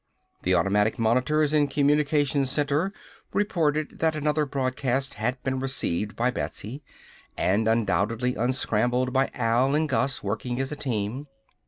The automatic monitors in Communications Center reported that another broadcast had been received by Betsy and undoubtedly unscrambled by Al and Gus, working as a team.